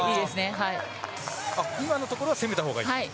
今のところは攻めたほうがいいと。